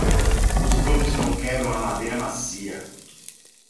Os brotos não quebram a madeira macia.